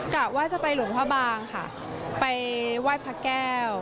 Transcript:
กะว่าจะไปหลวงพ่อบางค่ะไปไหว้พระแก้ว